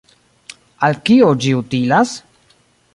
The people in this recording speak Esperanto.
“Al kio ĝi utilas?